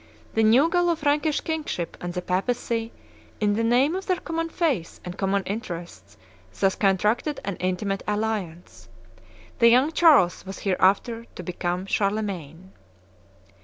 The new Gallo Frankish kingship and the Papacy, in the name of their common faith and common interests, thus contracted an intimate alliance. The young Charles was hereafter to become Charlemagne.